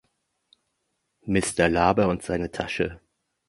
Mister Laber und seine Tasche.